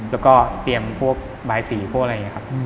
แล้วก็เตรียมพวกบายสีพวกอะไรอย่างนี้ครับ